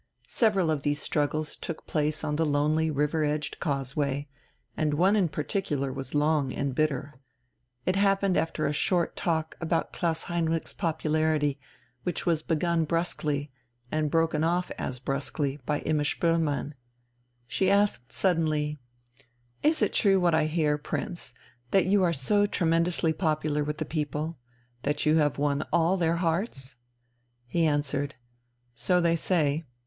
Several of these struggles took place on the lonely river edged causeway, and one in particular was long and bitter. It happened after a short talk about Klaus Heinrich's popularity, which was begun brusquely, and broken off as brusquely, by Imma Spoelmann. She asked suddenly: "Is it true what I hear, Prince, that you are so tremendously popular with the people? That you have won all their hearts?" He answered: "So they say.